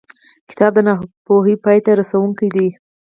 کتاب د ناپوهۍ پای ته رسوونکی دی.